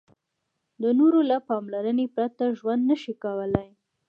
د نورو له پاملرنې پرته ژوند نشي کولای.